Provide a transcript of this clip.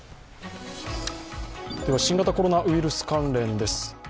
では新型コロナウイルス関連です。